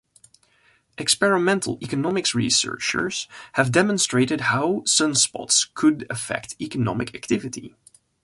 Experimental economics researchers have demonstrated how sunspots could affect economic activity.